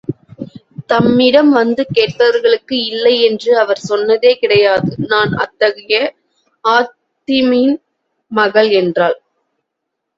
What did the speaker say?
தம்மிடம் வந்து கேட்டவர்களுக்கு இல்லை என்று அவர் சொன்னதே கிடையாது நான் அத்தகைய ஹாத்திமின் மகள் என்றாள்.